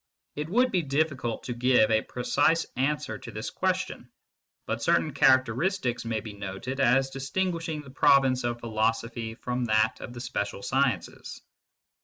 It would be difficult to give a precise answer to this question, but certain characteristics may be noted as distinguishing the province of philosophy from that of the special sciences.